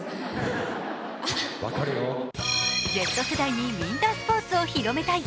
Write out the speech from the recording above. Ｚ世代にウインタースポーツを広めたい。